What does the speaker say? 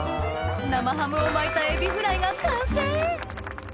生ハムを巻いたエビフライが完成！